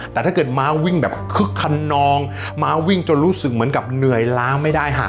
แต่ถ้าเกิดม้าวิ่งแบบคึกขนองม้าวิ่งจนรู้สึกเหมือนกับเหนื่อยล้างไม่ได้ค่ะ